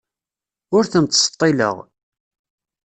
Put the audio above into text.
Ur ten-ttseḍḍileɣ.